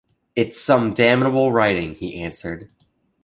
‘It’s some damnable writing,’ he answered.